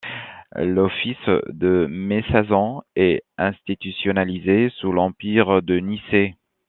L'office de mésazon est institutionnalisé sous l'Empire de Nicée.